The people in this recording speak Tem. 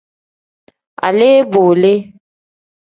Alee-bo le.